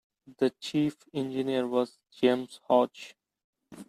The chief engineer was James Hodges.